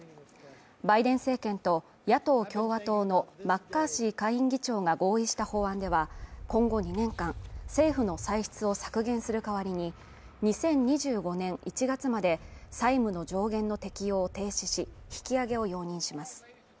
バイデン政権と野党共和党のマッカーシー下院議長が合意した法案では今後２年間、政府の歳出を削減する代わりに、２０２５年１月まで債務の上限の適用を停止し、引き上げを容認します。